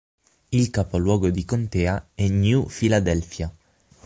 Il capoluogo di contea è New Philadelphia.